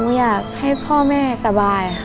อยากให้พ่อแม่สบายค่ะ